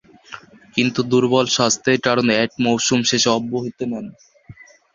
কিন্তু দূর্বল স্বাস্থ্যের কারণে এক মৌসুম শেষে অব্যহতি নেন।